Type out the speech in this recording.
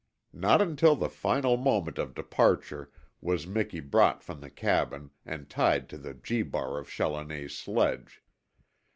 Not until the final moment of departure was Miki brought from the cabin and tied to the gee bar of Challoner's sledge.